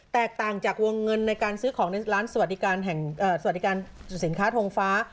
แตกต่างจากวงเงินในการซื้อของในร้านสวัสดิการแห่งสวัสดิการสินค้าทงฟ้า